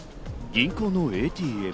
銀行のＡＴＭ。